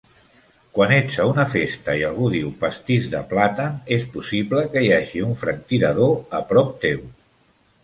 Quan ets a una festa i algú diu "pastís de plàtan", és possible que hi hagi un franctirador a prop teu.